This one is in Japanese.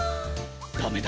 ダメだ。